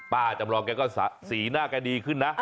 ป้าจำลองแกก็สีหน้าแกดีขึ้นนะ